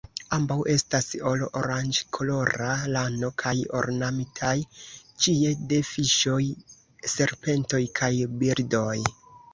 Ambaŭ estas el oranĝkolora lano kaj ornamitaj ĉie de fiŝoj, serpentoj kaj birdoj.